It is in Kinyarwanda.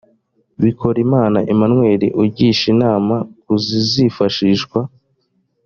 bikorimana emmanuel ugisha inama ku zizifashishwa